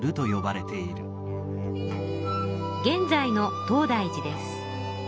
現在の東大寺です。